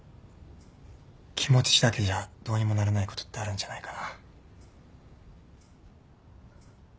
気持ちだけじゃどうにもならないことってあるんじゃないかな。